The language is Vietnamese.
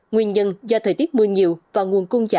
nguyên nhân do thời tiết mưa nhiều và nguồn cung giảm